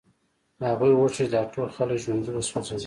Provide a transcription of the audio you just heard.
هغوی غوښتل چې دا ټول خلک ژوندي وسوځوي